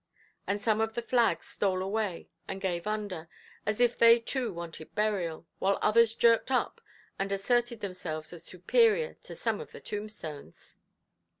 And some of the flags stole away and gave under, as if they too wanted burial, while others jerked up, and asserted themselves as superior to some of the tombstones.